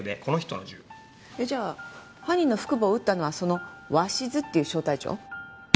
じゃあ犯人の腹部を撃ったのはその鷲頭っていう小隊長？